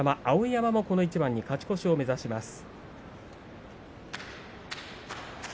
碧山もこの一番勝ち越しを目指します。